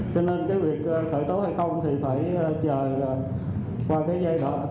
cho nên cái việc khởi tố hay không thì phải chờ qua cái giai đoạn